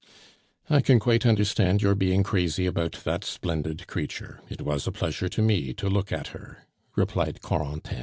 "I can quite understand your being crazy about that splendid creature; it was a pleasure to me to look at her," replied Corentin.